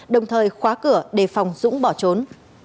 đồng thời khóa cửa để phòng dũng bỏ trốn